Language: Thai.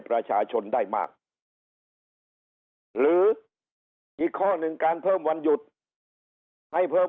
ประชาชนได้มากหรืออีกข้อหนึ่งการเพิ่มวันหยุดให้เพิ่ม